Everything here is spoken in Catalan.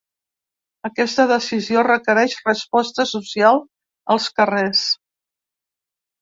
Aquesta decisió requereix resposta social als carrers.